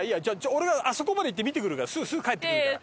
俺があそこまで行って見てくるからすぐ帰ってくるから。